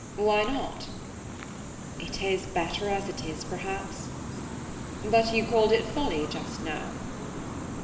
"Why not?" "It is better as it is, perhaps." "But you called it folly just now."